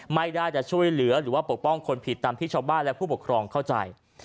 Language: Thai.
ไม่ได้จะช่วยเหลือหรือว่าปกป้องคนผิดตามที่ชาวบ้านและผู้ปกครองเข้าใจ